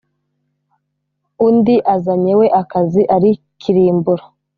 undi azanye we akaza ari kirimbura